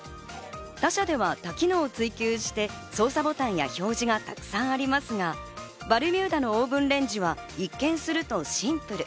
他社では多機能を追求して、操作ボタンや表示がたくさんありますが、バルミューダのオーブンレンジは一見するとシンプル。